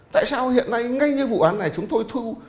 tại sao hiện nay ngay như vụ án này chúng tôi thu